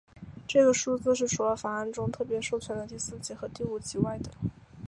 这个数字是除了法案中特别授权的第四级和第五级外的。